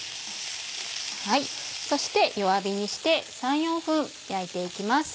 そして弱火にして３４分焼いて行きます。